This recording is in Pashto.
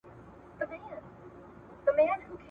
شیدې او زردچوبه ګټه لري.